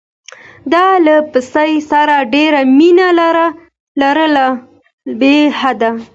ده له پسه سره ډېره مینه لرله بې حده.